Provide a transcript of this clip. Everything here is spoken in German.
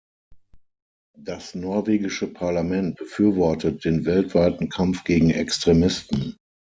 Das norwegische Parlament befürwortet den weltweiten Kampf gegen Extremisten.